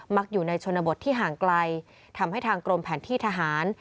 อยู่ในชนบทที่ห่างไกลทำให้ทางกรมแผนที่ทหาร